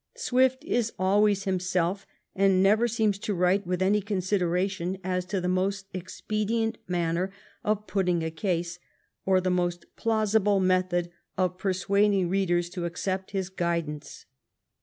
Swift is always himself, and never seems to write with any consideration as to the most expedient manner of put ting a case, or the most plausible method of persuading readers to accept his guidance.